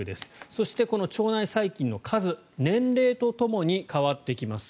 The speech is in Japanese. そしてこの腸内細菌の数年齢とともに変わっていきます。